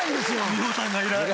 美穂さんがいない。